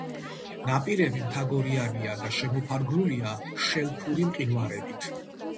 ნაპირები მთაგორიანია და შემოფარგლულია შელფური მყინვარებით.